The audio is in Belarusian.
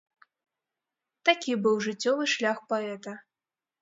Такі быў жыццёвы шлях паэта.